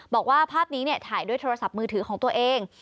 บอกว่าภาพนี้ถ่ายด้วยโทรศัพท์มือถือของตัวเอง